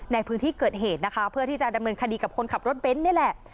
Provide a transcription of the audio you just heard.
ในพื้นที่เกิดเหตุนะคะเพื่อที่จะดำเนินคดีกับคนขับรถเบนท์นี่แหละ